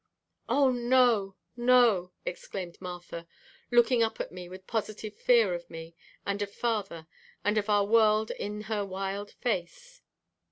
"Oh, no, no!" exclaimed Martha, looking up at me with positive fear of me and of father and of our world in her wild face.